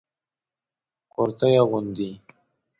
کرتي اغوندئ